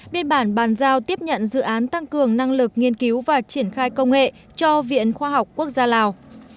biên bản bàn giao tiếp nhận dự án tăng cường năng lực nghiên cứu và triển khai công nghệ cho viện khoa học quốc gia lào